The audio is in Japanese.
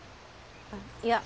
あっいや。